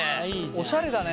おしゃれだね。